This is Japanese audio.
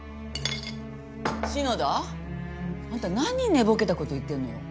篠田。あんた何寝ぼけたこと言ってるのよ。